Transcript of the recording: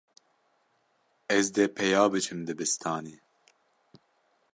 Ez dê peya biçim dibistanê.